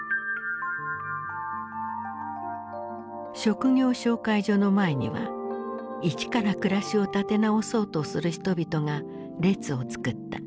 職業紹介所の前には一から暮らしを立て直そうとする人々が列を作った。